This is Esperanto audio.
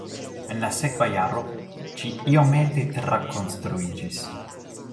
En la sekva jaro ĝi iomete trakonstruiĝis.